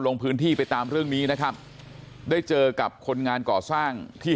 ลงพื้นที่ไปตามเรื่องนี้นะครับได้เจอกับคนงานก่อสร้างที่